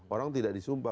orang tidak disumpah